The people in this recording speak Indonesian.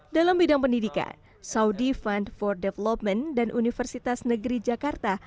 dalam bidang pendidikan saudi fund for development dan universitas negeri jakarta